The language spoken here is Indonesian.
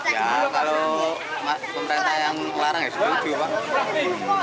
ya kalau pemerintah yang larang ya setuju pak